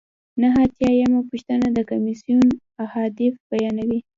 نهه اتیا یمه پوښتنه د کمیسیون اهداف بیانوي.